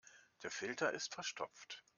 Der Filter ist verstopft.